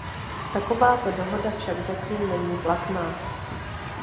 Takováto dohoda však zatím není platná.